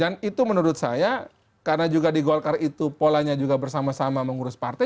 dan itu menurut saya karena juga di golkar itu polanya juga bersama sama mengurus partai